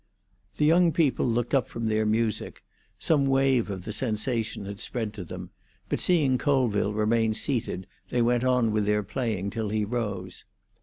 The young people looked up from their music; some wave of the sensation had spread to them, but seeing Colville remain seated, they went on with their playing till he rose.